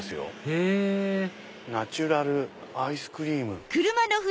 へぇナチュラルアイスクリーム。